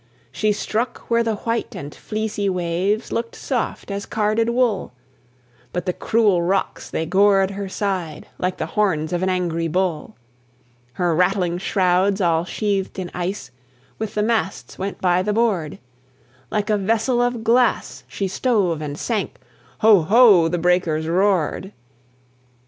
She struck where the white and fleecy waves Looked soft as carded wool, But the cruel rocks they gored her side Like the horns of an angry bull. Her rattling shrouds all sheathed in ice, With the masts went by the board; Like a vessel of glass she stove and sank, Ho! ho! the breakers roared!